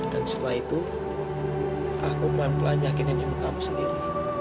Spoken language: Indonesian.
dan setelah itu aku pelan pelan yakinin hidup kamu sendiri